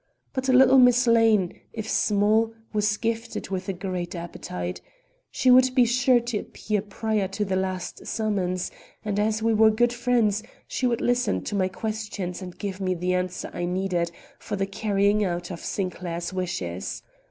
But little Miss Lane, if small, was gifted with a great appetite. She would be sure to appear prior to the last summons, and as we were good friends, she would listen to my questions and give me the answer I needed for the carrying out of Sinclair's wishes.